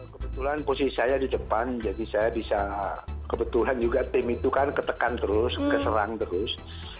kebetulan posisi saya di depan jadi saya bisa kebetulan juga tim itu kan ketekan terus keserang terus